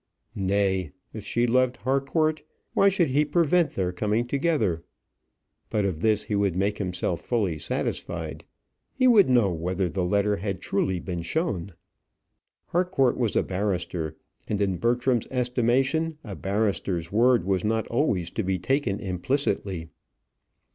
Nay, if she loved Harcourt, why should he prevent their coming together? But of this he would make himself fully satisfied; he would know whether the letter had truly been shown. Harcourt was a barrister; and in Bertram's estimation a barrister's word was not always to be taken implicitly.